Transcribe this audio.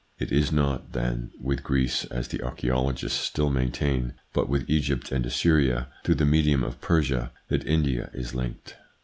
It is not, then, with Greece, as the archaeologists still maintain, but with Egypt and Assyria through the medium of Persia that India is linked.